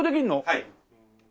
はい。